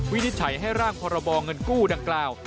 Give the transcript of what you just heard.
วินิจฉัยให้ร่างพรบเงินกู้ดังกล่าว